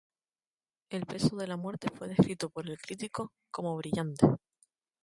El personaje de la Muerte fue descrito por el crítico como brillante.